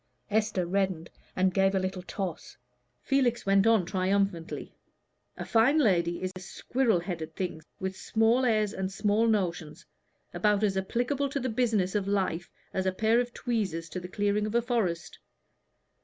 Esther reddened, and gave a little toss. Felix went on triumphantly. "A fine lady is a squirrel headed thing, with small airs, and small notions, about as applicable to the business of life as a pair of tweezers to the clearing of a forest.